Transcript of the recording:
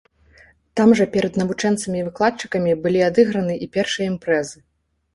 Там жа перад навучэнцамі і выкладчыкамі былі адыграны і першыя імпрэзы.